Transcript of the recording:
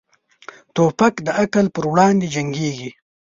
توپک د عقل پر وړاندې جنګيږي.